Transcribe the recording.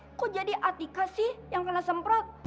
kok jadi atika sih yang kena semprot